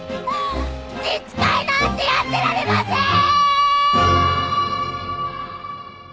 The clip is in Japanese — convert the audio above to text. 自治会なんてやってられませーん！！